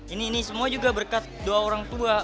ini ini semua juga berkat doa orang tua